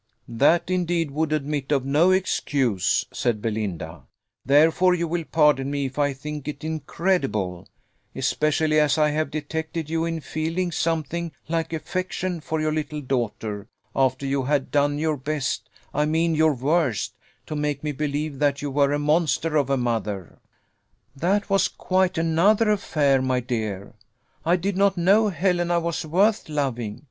"That indeed would admit of no excuse," said Belinda; "therefore you will pardon me if I think it incredible especially as I have detected you in feeling something like affection for your little daughter, after you had done your best, I mean your worst, to make me believe that you were a monster of a mother." "That was quite another affair, my dear. I did not know Helena was worth loving.